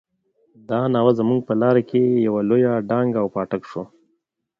دا ناوه زموږ په لاره کې يوه لويه ډانګه او پټک شو.